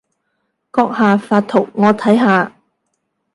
閣下發圖我睇下